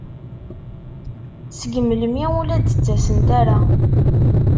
Seg melmi ur la d-ttasent ara?